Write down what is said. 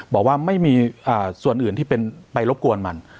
บอกว่าไม่มีส่วนอื่นที่เป็นไปรบกวนมัน